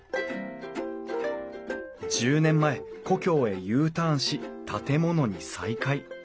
１０年前故郷へＵターンし建物に再会。